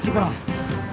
istimbar kak bos